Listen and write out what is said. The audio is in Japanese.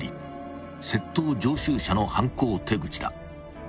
［窃盗常習者の犯行手口だ］